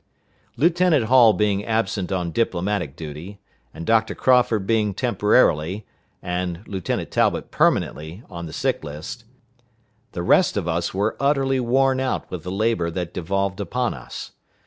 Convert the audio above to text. Lieutenant Hall being absent on diplomatic duty, and Dr. Crawford being temporarily, and Lieutenant Talbot permanently, on the sick list, the rest of us were utterly worn out with the labor that devolved upon us.